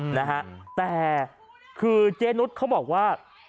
กลับมาพร้อมขอบความ